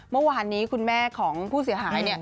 เมื่อวานนี้คุณแม่ของผู้เสียหาย